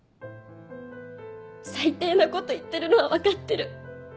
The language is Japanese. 最低なこと言ってるのは分かってる。